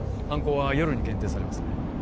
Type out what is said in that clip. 犯行は夜に限定されますね